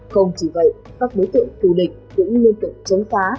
không chỉ vậy các đối tượng tù địch cũng liên tục chống phá